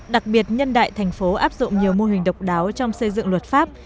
đặc biệt nhân đại thành phố áp dụng nhiều mô hình độc đáo trong xây dựng luật pháp